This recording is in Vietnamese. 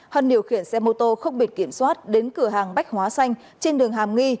hân điều khiển xe mô tô không biệt kiểm soát đến cửa hàng bách hóa xanh trên đường hàm nghi